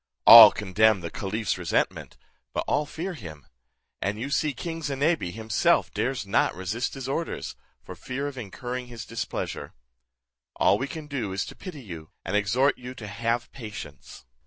All condemn the caliph's resentment, but all fear him; and you see king Zinebi himself dares not resist his orders, for fear of incurring his displeasure. All we can do is to pity you, and exhort you to have patience."